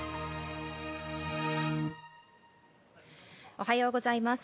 おはようございます。